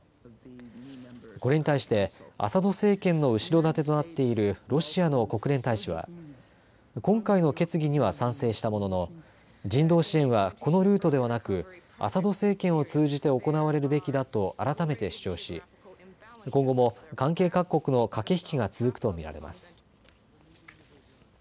これに対してアサド政権の後ろ盾となっているロシアの国連大使は今回の決議には賛成したものの人道支援はこのルートではなくアサド政権を通じて行われるべきだと改めて主張し今後も関係各国の駆け引きが続くと見られます。